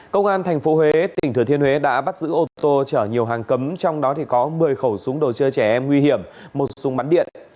công an tp huế tỉnh thừa thiên huế đã bắt giữ ô tô chở nhiều hàng cấm trong đó có một mươi khẩu súng đồ chơi trẻ em nguy hiểm một súng bắn điện